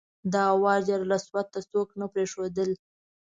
دا وار حجرالاسود ته څوک نه پرېښودل.